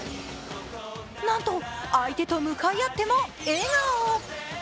なんと相手と向かい合っても笑顔。